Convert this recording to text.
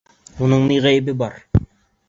Уның ни ғәйебе бар?